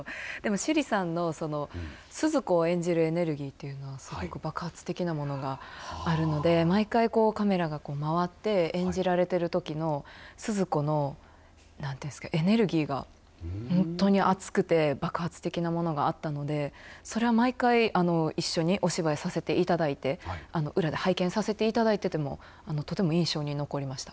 趣里さんの鈴子を演じるエネルギーというのは爆発的なものがあるので毎回、カメラが回って演じられているときの鈴子の、何て言うんですかエネルギーが本当に熱くて爆発的なものがあったのでそれは毎回一緒にお芝居させていただいて裏で拝見させていただいててもとても印象に残りました。